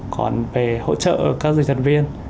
còn về dịch thuật viên